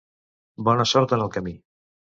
Bona sort en el camí.